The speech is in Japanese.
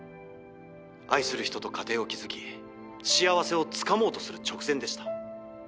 愛する人と家庭を築き幸せをつかもうとする直前でした。